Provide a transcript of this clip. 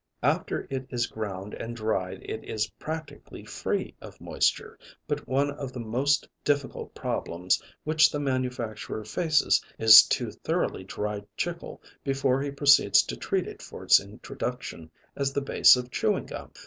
After it is ground and dried it is practically free of moisture, but one of the most difficult problems which the manufacturer faces is to thoroughly dry chicle before he proceeds to treat it for its introduction as the base of chewing gum.